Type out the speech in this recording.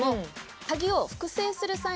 鍵を複製する際にですね